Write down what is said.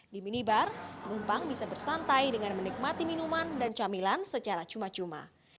di minibar penumpang bisa bersantai dengan menikmati minuman dan camilan secara cuma cuma